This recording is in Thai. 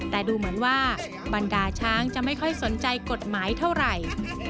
แต่ดูเหมือนว่าบรรดาช้างจะไม่ค่อยสนใจกฎหมายเท่าไหร่